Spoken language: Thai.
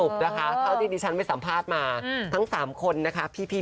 เป็นเองดี